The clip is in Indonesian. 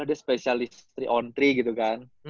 dia spesialis tiga on tiga gitu kan